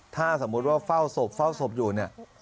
ถ้าสมมุติว่าเฝ้าศพเฝ้าศพอยู่เนี่ย